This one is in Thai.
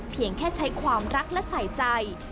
เพียงแค่ใช้ความรักและใส่ใจ